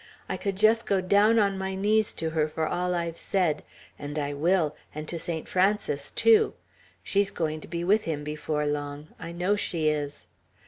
I could just go down on my knees to her for all I've said; and I will, and to Saint Francis too! She's going to be with him before long; I know she is."